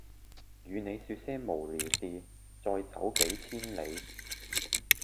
與你說些無聊事再走幾千里